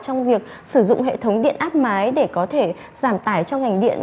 trong việc sử dụng hệ thống điện áp mái để có thể giảm tải cho ngành điện